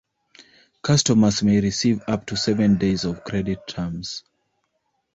Customers may receive up to seven days of credit terms.